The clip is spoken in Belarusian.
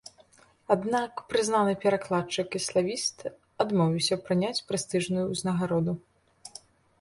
Аднак прызнаны перакладчык і славіст адмовіўся прыняць прэстыжную ўзнагароду.